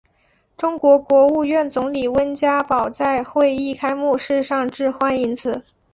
中国国务院总理温家宝在会议开幕式上致欢迎辞。